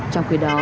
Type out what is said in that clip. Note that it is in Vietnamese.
trong khi đó